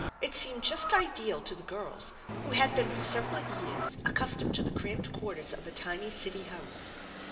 It seemed just ideal to the girls, who had been for several years accustomed to the cramcod quarters of a tiny city house.